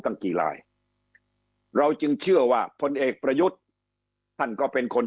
ตั้งกี่ลายเราจึงเชื่อว่าพลเอกประยุทธ์ท่านก็เป็นคน